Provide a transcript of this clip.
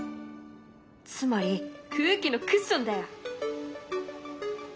つまり空気のクッションだよ。